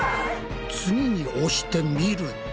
次に押してみると。